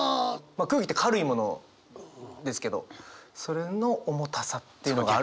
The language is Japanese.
空気って軽いものですけどそれの重たさっていうのがある。